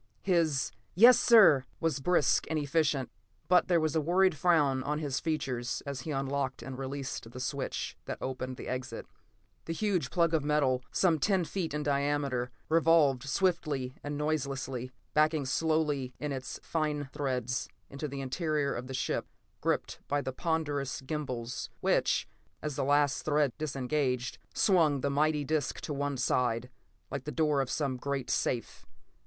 His "Yes, sir!" was brisk and efficient, but there was a worried frown on his features as he unlocked and released the switch that opened the exit. The huge plug of metal, some ten feet in diameter, revolved swiftly and noiselessly, backing slowly in its fine threads into the interior of the ship, gripped by the ponderous gimbals which, as the last threads disengaged, swung the mighty disc to one side, like the door of some great safe.